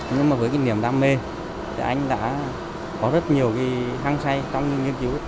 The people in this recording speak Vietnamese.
nhưng mà với kinh nghiệm đam mê anh đã có rất nhiều thăng say trong nghiên cứu